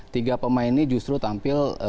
tiga pemain ini justru tampil